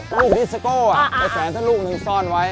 ลูกนิสโก้ไปแสนสักลูกหนึ่งซ่อนไว้